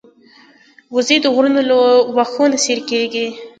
وزې د غرونو له واښو نه سیر کېږي